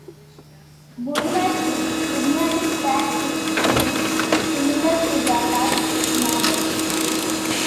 Bulmer is signalling that his series is similar to that of his model.